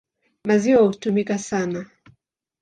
Maziwa hutumika sana.